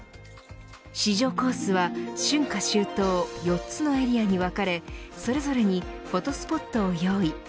試乗コースは春夏秋冬４つのエリアに分かれそれぞれにフォトスポットを用意。